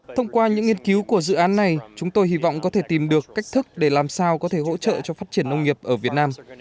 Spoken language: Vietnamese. thông qua những nghiên cứu của dự án này chúng tôi hy vọng có thể tìm được cách thức để làm sao có thể hỗ trợ cho phát triển nông nghiệp ở việt nam